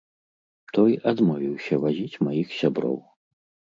Той адмовіўся вазіць маіх сяброў.